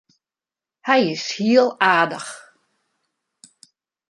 Hy is hiel aardich.